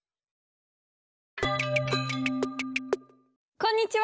こんにちは。